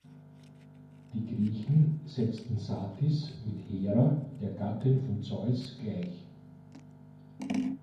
Die Griechen setzten Satis mit Hera, der Gattin von Zeus, gleich.